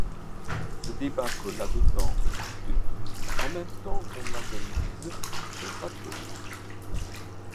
Se débattre là dedans est hideux ; en même temps qu’on agonise, on patauge.